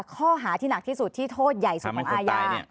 ข้อหาที่หนักที่สุดที่โทษใหญ่สุดของอาญา